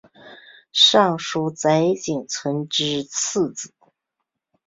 尚书瞿景淳之次子。